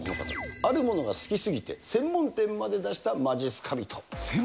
あるものが好き過ぎて専門店まで出したまじっすか人。